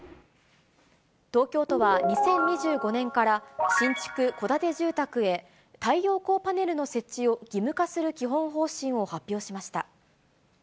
東京都は２０２５年から、新築戸建て住宅へ太陽光パネルの設置を義務化する基本方針を発表